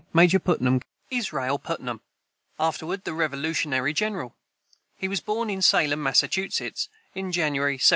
[Footnote 34: Israel Putnam, afterward the Revolutionary general. He was born in Salem, Massachusetts, in January, 1718.